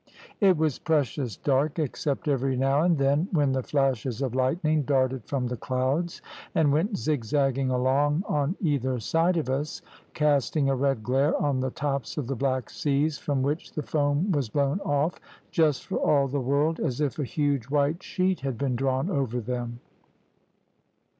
It was precious dark, except every now and then, when the flashes of lightning darted from the clouds and went zigzagging along on either side of us, casting a red glare on the tops of the black seas, from which the foam was blown off just for all the world as if a huge white sheet had been drawn over them.